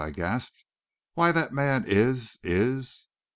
I gasped. "Why, that man is is...."